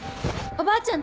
おばあちゃん